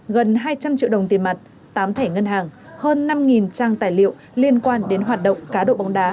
gần hai trăm linh triệu đồng tiền mặt tám thẻ ngân hàng hơn năm trang tài liệu liên quan đến hoạt động cá độ bóng đá